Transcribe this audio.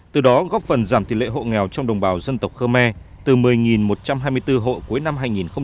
từ đó góp phần giảm tỷ lệ hộ nghèo trong đồng bào dân tộc khmer từ một mươi một trăm hai mươi bốn hộ cuối năm hai nghìn bảy mươi năm